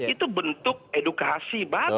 itu bentuk edukasi